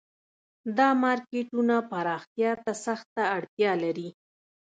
دا مارکیټونه پراختیا ته سخته اړتیا لري